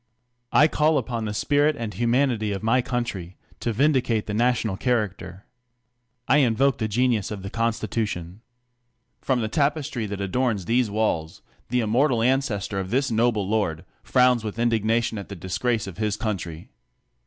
I call upon the spirit and humanity of my country, to vindi cate the national character, I invoke the genius of the constitution. From the tapestry that adorns these walls, the im mortal ancestor of this noble lord frowns with indigna tion at the disgrace of his country.